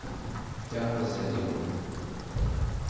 Yefka azal i waya.